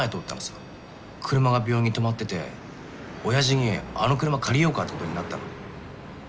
車が病院に止まっててオヤジにあの車借りようかってことになったの。